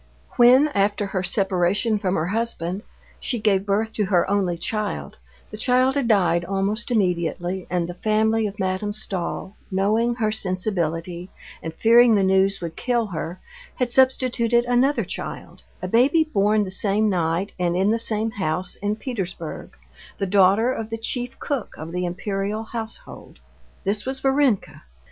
When, after her separation from her husband, she gave birth to her only child, the child had died almost immediately, and the family of Madame Stahl, knowing her sensibility, and fearing the news would kill her, had substituted another child, a baby born the same night and in the same house in Petersburg, the daughter of the chief cook of the Imperial Household. This was Varenka.